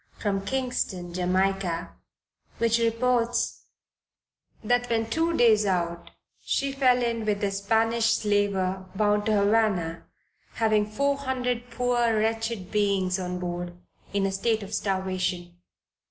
from Kingston, Jamaica, which reports, that when two days out she fell in with a Spanish slaver bound to Havana, having four hundred poor wretched beings on board, in a state of starvation.